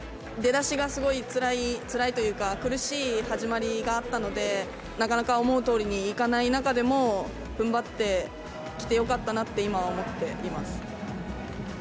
出だしがすごくつらい、つらいというか、苦しい始まりがあったので、なかなか思うとおりにいかない中でも、ふんばってきてよかったなって、今、思っています。